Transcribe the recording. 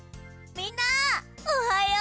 みんなおはよう！